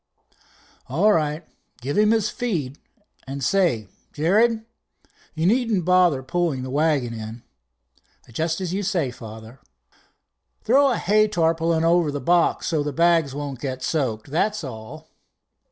"All right, give him his feed, and say, Jared, you needn't bother pulling the wagon in." "Just as you say, father." "Throw a hay tarpaulin over the box, so the bags won't get soaked, that's all."